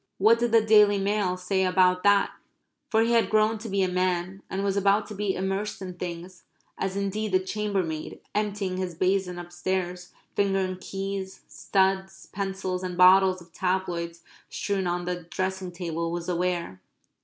What did the Daily Mail say about that? For he had grown to be a man, and was about to be immersed in things as indeed the chambermaid, emptying his basin upstairs, fingering keys, studs, pencils, and bottles of tabloids strewn on the dressing table, was aware.